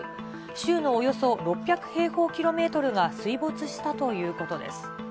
州のおよそ６００平方キロメートルが水没したということです。